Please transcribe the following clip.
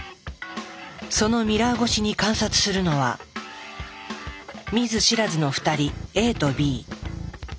そのミラー越しに観察するのは見ず知らずの２人ＡとＢ。